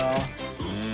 うん。